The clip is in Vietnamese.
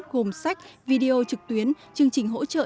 gồm sách video trực tuyến chương trình hỗ trợ